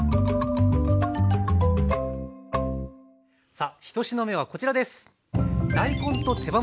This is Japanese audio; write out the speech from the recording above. さあ１品目はこちらです。